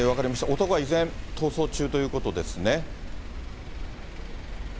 男は依然、逃走中ということですね。